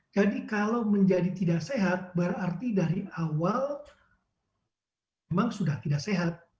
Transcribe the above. jadi kalau menjadi tidak sehat berarti dari awal memang sudah tidak sehat